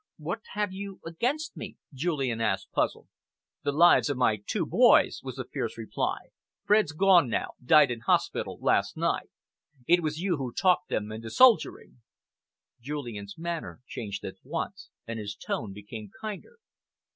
"What have you against me?" Julian asked, puzzled. "The lives of my two boys," was the fierce reply. "Fred's gone now died in hospital last night. It was you who talked them into soldiering." Julian's manner changed at once, and his tone became kinder.